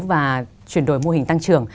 và chuyển đổi mô hình tăng trưởng